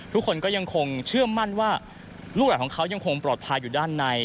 ทุกคนก็ยังคงเชื่อมั่นว่าลูกหลานของเขายังคงปลอดภัยอยู่ด้านใน